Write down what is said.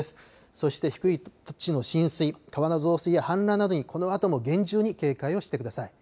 そして低い土地の浸水、川の増水や氾濫などにこのあとも厳重に警戒をしてください。